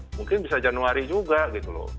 mungkin bisa januari juga gitu loh